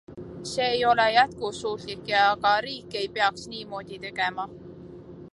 See ei ole jätkusuutlik ja ka riik ei peaks niimoodi tegema.